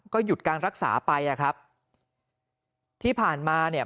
ก็หยุดการรักษาไปอ่ะครับที่ผ่านมาเนี่ย